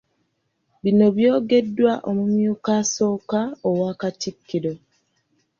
Bino byogeddwa omumyuka asooka owa Katikkiro.